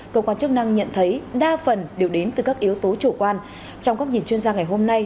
cơ quan chức năng nhận thấy đa phần đều đến từ các yếu tố chủ quan trong góc nhìn chuyên gia ngày hôm nay